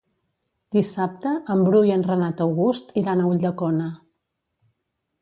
Dissabte en Bru i en Renat August iran a Ulldecona.